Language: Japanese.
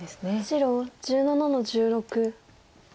白１７の十六。